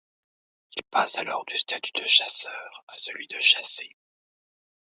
Ils passent alors du statut de chasseur à celui de chassé...